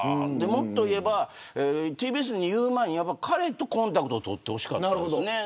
もっといえば、ＴＢＳに言う前に彼とコンタクトを取ってほしかったです。